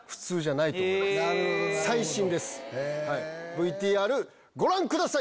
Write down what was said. ＶＴＲご覧ください。